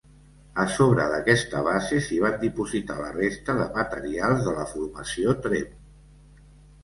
A sobre d'aquesta base s'hi van dipositar la resta de materials de la Formació Tremp.